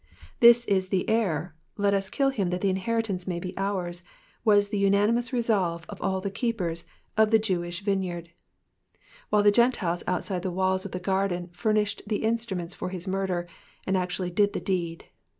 '* This is the heir, let us kill him that the inheritance may be ours," was the unanimous resolve of all the keepers of the Jewish vine yard ; while the Qentiles outside the walls of the gf^co furnished the instru ments for his murder, and actually did the deed.